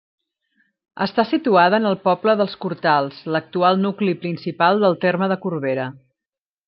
Està situada en el poble dels Cortals, l'actual nucli principal del terme de Corbera.